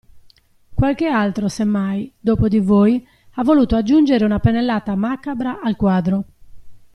Qualche altro se mai, dopo di voi, ha voluto aggiungere una pennellata macabra al quadro.